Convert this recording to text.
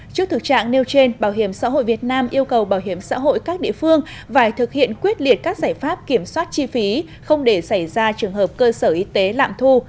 trước thực trạng nêu trên bảo hiểm xã hội việt nam yêu cầu bảo hiểm xã hội các địa phương phải thực hiện quyết liệt các giải pháp kiểm soát chi phí không để xảy ra trường hợp cơ sở y tế lạm thu